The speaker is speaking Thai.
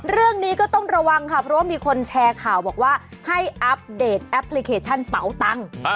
เรื่องนี้ก็ต้องระวังค่ะเพราะว่ามีคนแชร์ข่าวบอกว่าให้อัปเดตแอปพลิเคชันเป๋าตังค์